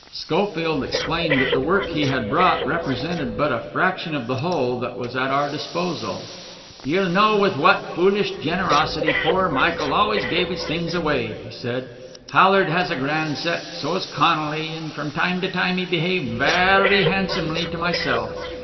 And Schofield explained that the work he had brought represented but a fraction of the whole that was at our disposal. "Ye'll know with what foolish generosity poor Michael always gave his things away," he said. "Hallard has a grand set; so has Connolly; and from time to time he behaved varry handsomely to myself.